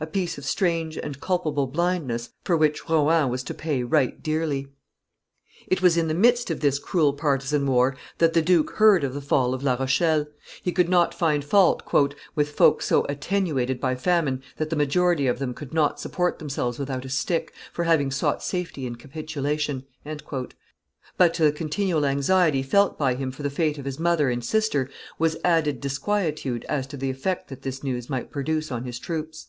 A piece of strange and culpable blindness for which Rohan was to pay right dearly. It was in the midst of this cruel partisan war that the duke heard of the fall of La Rochelle; he could not find fault "with folks so attenuated by famine that the majority of them could not support themselves without a stick, for having sought safety in capitulation;" but to the continual anxiety felt by him for the fate of his mother and sister was added disquietude as to the effect that this news might produce on his troops.